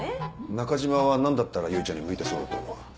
中嶋は何だったら結ちゃんに向いてそうだと思う？